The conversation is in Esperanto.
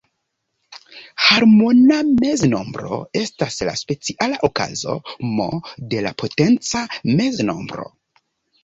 Harmona meznombro estas la speciala okazo "M" de la potenca meznombro.